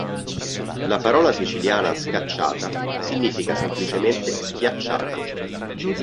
La parola siciliana "scacciata" significa semplicemente "schiacciata".